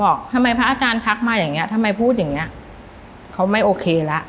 ทำไมพระอาจารย์ทักมาอย่างเงี้ทำไมพูดอย่างเงี้ยเขาไม่โอเคละ